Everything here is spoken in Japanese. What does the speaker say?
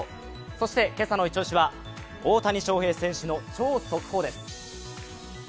そして今朝のイチ押しは大谷翔平選手の超速報です。